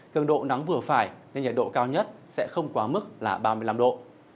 cường độ nắng vừa phải nên nhiệt độ cao nhất sẽ không quá mức là ba mươi năm độ